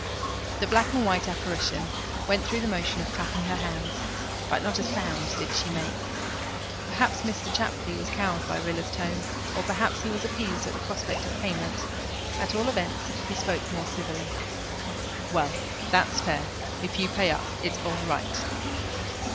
The black and white apparition went through the motion of clapping her hands, but not a sound did she make. Perhaps Mr. Chapley was cowed by Rilla's tone or perhaps he was appeased at the prospect of payment; at all events, he spoke more civilly. "Well, that's fair. If you pay up it's all right."